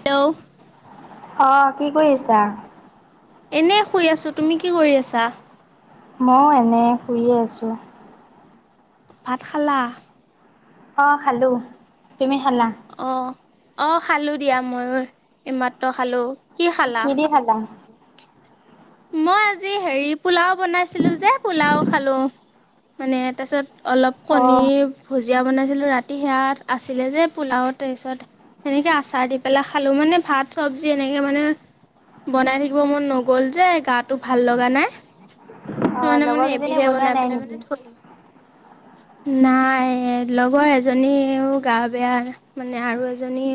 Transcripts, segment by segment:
Hello? অ কি কৰি আছা? এনে শুই আছোঁ, তুমি কি কৰি আছা? মইয়ো এনে শুইয়ে আছোঁ। ভাত খালা? অ খালো, তুমি খালা? অঁ অঁ খালোঁ দিয়া ময়ো, এইমাত্ৰ খালোঁ। কি দি খালা? মই আজি হেৰি পোলাও বনাইছিলো যে পোলাও খালো। মানে তাৰপিছত অলপ কণী অঁ ভুজিয়া বনাইছিলো ৰাতি সেয়াত আছিলে যে পোলাও, তাৰ পিছত সেনেকে আচাৰ দি পেলাই খালোঁ মানে ভাত, চবজি এনেকে মানে বনাই থাকিব মন নগ'ল যে গাটো ভাল লগা নাই। অঁ তানে মানে লগৰকেইজনীয়ে এবিধিয়া বনোৱা বনাই নাই পেলাই মানে নেকি? থলো। নাই লগৰ এজনীও গা বেয়া মানে আৰু এজনী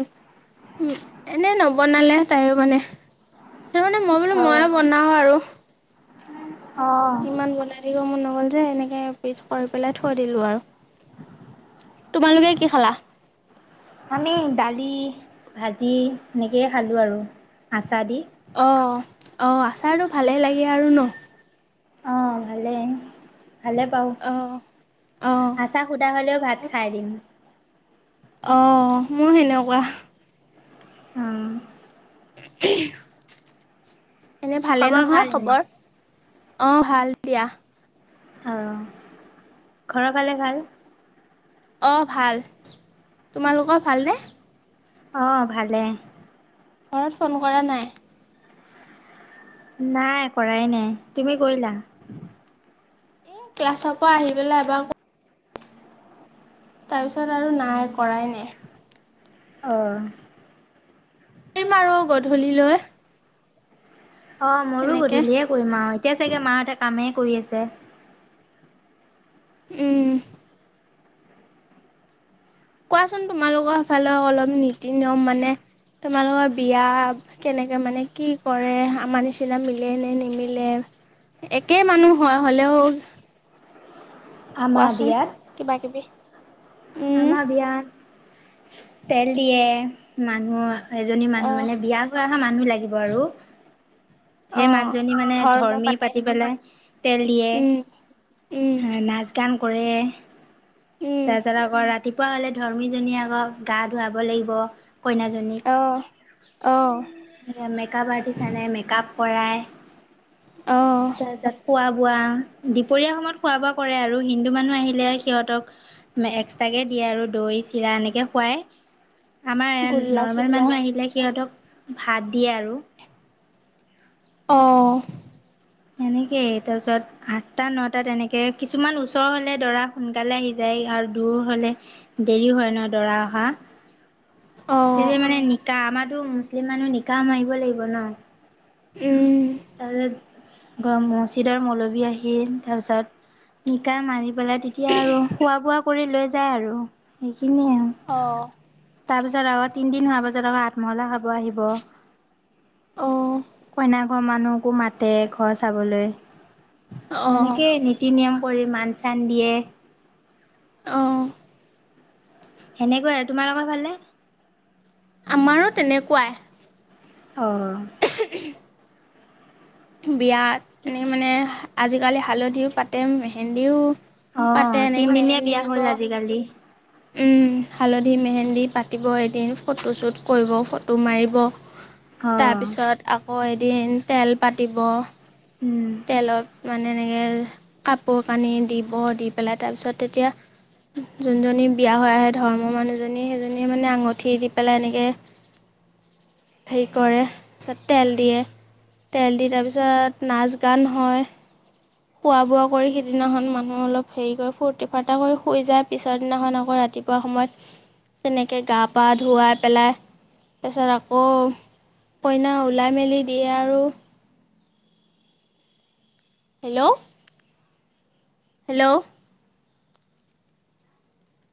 উম এনে নবনালে তাইও মানে সেইটো মানে মই বোলো মইয়ে অঁ বনাওঁ আৰু। অঁ ইমান বনাই দিব মোৰ নগ'ল যে এনেকে পিছ কৰি পেলাই থৈ দিলো আৰু। তোমালোকে কি খালা? আমি দালি, ভাজি এনেকেয়ে খালোঁ আৰু আচাৰ দি। অ, অ আচাৰটো ভালেই লাগে আৰু ন। অঁ ভালেই। ভালে পাওঁ, অঁ অঁ আঁচাৰ সুদা হলেও ভাত খাই দিম। অ মোৰ সেনেকুৱা। উম [unintelligible] এনে ভালে খবৰ নহয় ভাল এনে? খবৰ? অঁ ভাল দিয়া। আহ, ঘৰৰ ফালে ভাল? অঁ ভাল, তোমালোকৰ ভালনে? অ ভালে ঘৰত ফোন কৰা নাই? নাই কৰাই নাই, তুমি কৰিলা? এ ক্লাছৰ পৰা আহি পেলাই এবাৰ তাৰপিছত আৰু নাই কৰাই নাই। অঁ কৰিম আৰু গধূলিলৈ। অ মোৰো এনেকে গধূলিয়ে কৰিম আও, এতিয়া চাগে মাহঁতে কামেই কৰি আছে। উম। কোৱাচোন তোমালোকৰ ফালে অলপ নীতি নিয়ম মানে তোমালোকৰ বিয়া কেনেকে মানে কি কৰে আমাৰ নিচিনা মিলে নে নিমিলে? একে মানুহ হয় হ'লেও আমাৰ কোৱাচোন বিয়াত কিবা কিবি। উম আমাৰ বিয়াত তেল দিয়ে মানুহক এজনী মানুহ আহ মানে বিয়া হোৱা অহা মানুহ লাগিব আৰু সেই আহ মানুহজনী মানে ধৰ্ম ধৰ্মী পাতে পাতি পেলাই তেল উম উম দিয়ে। নাচ গান কৰে উম তাৰ পিছত আকৌ ৰাতিপুৱা হলে ধৰ্মীজনীয়ে আক গা ধুৱাব লাগিব। কইনাজনীক। অঁ। মেক আপ আৰ্টিষ্ট আনে মেকআপ কৰাই। আহ তাৰপিছত খোৱা খোৱা, দুপৰীয়া সময়ত খোৱা বোৱা কৰে আৰু হিন্দু মানুহ আহিলে সিহঁতক এক্সট্ৰকে আৰু দৈ চিৰা এনেকে খুৱাই। [inaudible] আমাৰ গোল্লা নৰ্মেল চোল্লা মানুহ আহিলে সিহঁতক ভাত দিয়ে আৰু। অ'। সেনেকেই, তাৰ পিছত আঠটা নটাত তেনেকে কিছুমান ওচৰ হলে দৰা সোনকালে আহি যায়। আৰু দূৰ হলে দেৰি হয় ন দৰা অহা। আহ তেতিয়া মানে নিকা আমাৰো মুছলিম মানুহ নিকাহ মাৰিব লাগিব ন। উম তাৰপিছত মজিদৰ মলবী আহিল তাৰপিছত নিকা মাৰি পেলাই তেতিয়া আৰু খোৱা বোৱা কৰি লৈ যায় আৰু সেইখিনিয়ে আৰু। অ। তাৰ পিছত আকৌ তিনদিন হোৱা পাছত আকৌ আত মহলা খাব আহিব অ', কইনাক ঘৰ মানুহকো মাতে ঘৰ চাবলৈ অ', সেনেকেই নীতি নিয়ম কৰি মাণ চান দিয়ে। আহ। হেনেকোৱাই আৰু। তোমালোকৰ ফালে? আমাৰো তেনেকুৱাই। অঁ। বিয়াত এনে মানে আজিকালি হালধিও পাতে মে হেন্দীও অ পাতে এনেকে তিনদিনীয়া মেহেন্দী বিয়া দিব। হ'ল আজিকালি উম হালধি মেহেন্দি পাতিব এদিন ফটো চ্বুট কৰিব ফটো মাৰিব অ তাৰপিছত আকৌ এদিন তেল পাতিব। উম তেলত মানে এনেকে কাপোৰ কানি দিব, দি পেলাই তাৰপিছত তেতিয়া যোনজনী বিয়া হৈ আহে ধৰ্মৰ মানুহজনী সেইজনীয়ে মানে আঙঠি দি পেলাই এনেকে [inaudible] হে কৰে তাৰছত তেল দিয়ে তেল দি তাৰপিছত নাচ গান হয় খোৱা বোৱা কৰি সিদিনাখন মানুহ অলপ হেৰি কৰি ফুৰ্তি ফাৰ্তা কৰি শুই যায়। পিছৰ দিনাখন আকৌ ৰাতিপুৱা সময়ত তেনেকে গা পা ধুৱাই পেলাই তাৰপিছত আকৌ কইনা ওলাই মেলি দিয়ে আৰু। হেল্ল'? হেল্ল'?